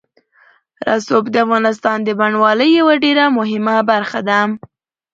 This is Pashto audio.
رسوب د افغانستان د بڼوالۍ یوه ډېره مهمه برخه ده.